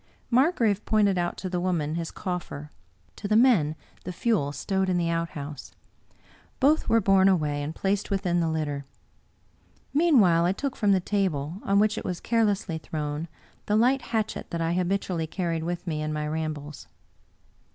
Margrave pointed out to the woman his coffer, to the men the fuel stowed in the out house. Both were borne away and placed within the litten Meanwhile I took from the table, on which it was carelessly thrown, the light hatchet that I habitually carried with me in my rambles.